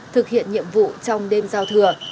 thực hiện nhiệm vụ trong đêm giao thừa